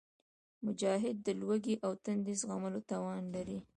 مجاهد د لوږې او تندې زغملو توان لري.